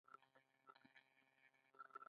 له پاميره او چتراله تر ملک تور غرونو پورې.